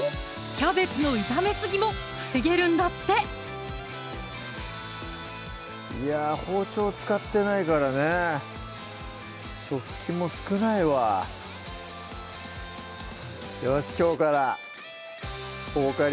キャベツの炒めすぎも防げるんだっていやぁ包丁使ってないからね食器も少ないわよしきょうからどうぞ！